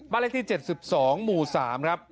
เลขที่๗๒หมู่๓ครับ